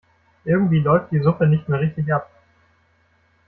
Irgendwie läuft die Suppe nicht mehr richtig ab.